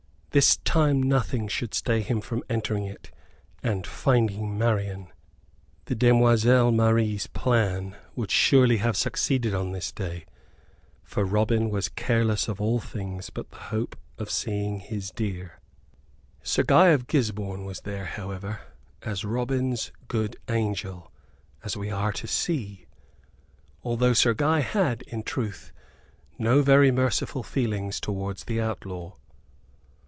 This time nothing should stay him from entering it and finding Marian. The demoiselle Marie's plan would surely have succeeded on this day, for Robin was careless of all things but the hope of seeing his dear. Sir Guy of Gisborne was there, however, as Robin's good angel, as we are to see, although Sir Guy had, in truth, no very merciful feelings towards the outlaw.